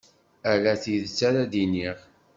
Ala tidet ara d-iniɣ.